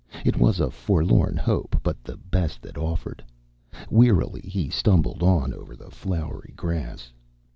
It was a forlorn hope, but the best that offered. Wearily he stumbled on over the flowery grass.